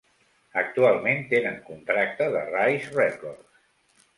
Actualment tenen contracte de Rise Records.